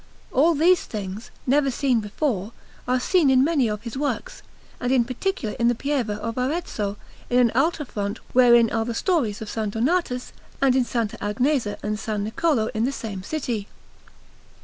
All these things, never seen before, are seen in many of his works, and in particular in the Pieve of Arezzo, in an altar front wherein are stories of S. Donatus, and in S. Agnesa and S. Niccolò in the same city.